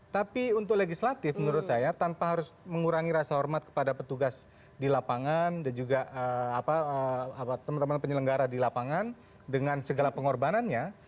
tapi untuk legislatif menurut saya tanpa harus mengurangi rasa hormat kepada petugas di lapangan dan juga teman teman penyelenggara di lapangan dengan segala pengorbanannya